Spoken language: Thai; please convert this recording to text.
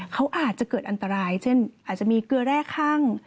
เขาอาจจะเกิดอันตรายเช่นอาจจะมีเกลือแร่คั่ง